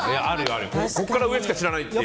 ここから上しか知らないっていう。